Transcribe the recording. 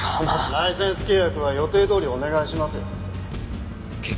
ライセンス契約は予定どおりお願いしますよ先生。